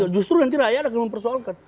justru nanti rakyat ada yang mempersoalkan